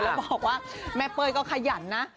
แล้วบอกว่าแม่เป้ยก็ขยันนะ